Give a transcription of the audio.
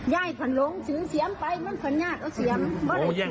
ย่ายผ่านหลงถือเสียงไปมันผ่านย่าก็เสียง